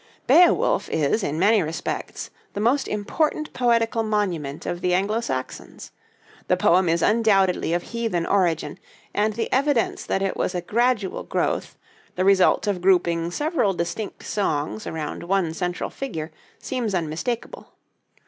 'Beowulf' is, in many respects, the most important poetical monument of the Anglo Saxons. The poem is undoubtedly of heathen origin, and the evidence that it was a gradual growth, the result of grouping several distinct songs around one central figure, seems unmistakable.